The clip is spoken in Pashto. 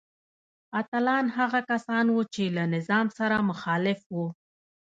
اتلان هغه کسان وو چې له نظام سره مخالف وو.